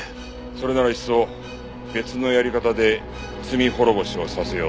それならいっそ別のやり方で罪滅ぼしをさせようと？